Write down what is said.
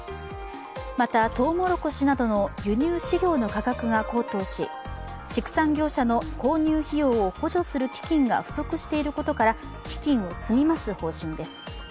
またとうもろこしなどの輸入飼料の価格が高騰し畜産業者の購入費用を補助する基金が不足していることから基金を積み増す方針です。